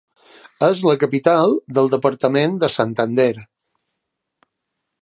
És la capital del departament de Santander.